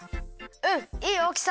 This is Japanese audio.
うんいいおおきさ！